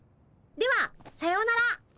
ではさようなら。